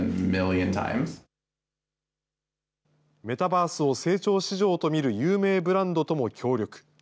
メタバースを成長市場と見る有名ブランドとも協力。